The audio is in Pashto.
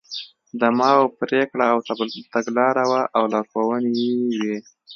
د ماوو پرېکړه او تګلاره وه او لارښوونې وې.